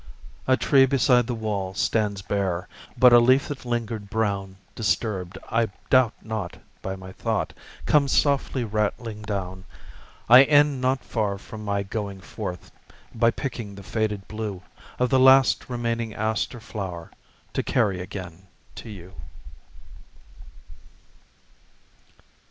A tree beside the wall stands bare, But a leaf that lingered brown, Disturbed, I doubt not, by my thought, Comes softly rattling down. I end not far from my going forth By picking the faded blue Of the last remaining aster flower To carry again to you.